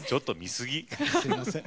すいません。